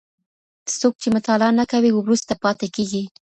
څوک چي مطالعه نه کوي وروسته پاتې کيږي.